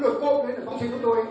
nói nội công đấy là phong trình của tôi